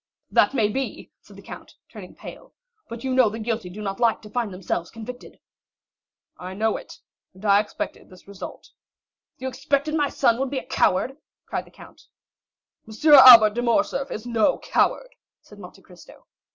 "That may be," said the count, turning pale; "but you know the guilty do not like to find themselves convicted." "I know it, and I expected this result." "You expected my son would be a coward?" cried the count. "M. Albert de Morcerf is no coward!" said Monte Cristo.